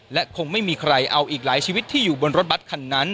และคงไม่มีใครเอาอีกหลายชีวิตที่อยู่บนรถบัตรคันนั้น